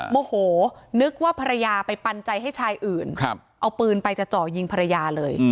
โมโหนึกว่าภรรยาไปปันใจให้ชายอื่นเอาปืนไปจะเจาะยิงภรรยาเลย